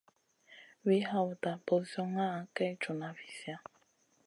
Wi hawta ɓozioŋa kay joona viziya.